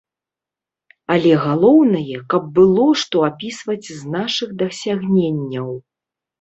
Але галоўнае, каб было што апісваць з нашых дасягненняў.